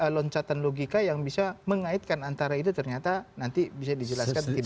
loncatan logika yang bisa mengaitkan antara itu ternyata nanti bisa dijelaskan tidak